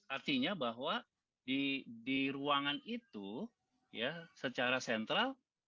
artinya bahwa di ruangan itu ya secara sentral